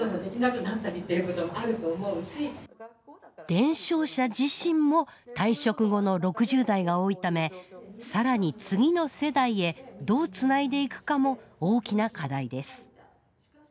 伝承者自身も退職後の６０代が多いためさらに次の世代へどうつないでいくかも大きな課題です